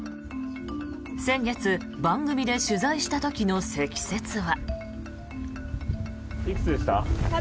先月、番組で取材した時の積雪は。